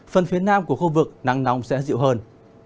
phần phía nam của khu vực nắng nóng sẽ dịu hơn